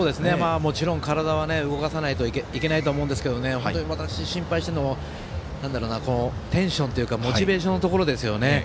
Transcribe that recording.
もちろん体は動かさないといけないですけど本当に私、心配してるのはテンションというかモチベーションのところですね。